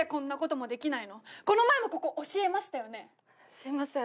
すいません。